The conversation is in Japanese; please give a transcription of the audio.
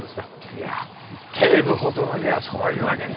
いや警部補殿にはそういうわけにはいきませんよ。